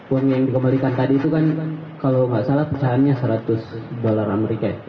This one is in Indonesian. uang yang dikembalikan tadi itu kan kalau nggak salah pecahannya seratus dolar amerika ya